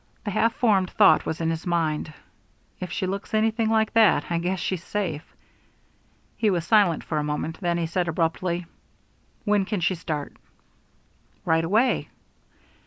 The half formed thought was in his mind, "If she looks anything like that, I guess she's safe." He was silent for a moment, then he said abruptly: "When can she start?" "Right away."